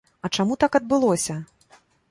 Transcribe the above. А чаму так адбылося?